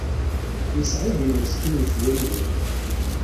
Yesɛibin meskin yitbir-ihin.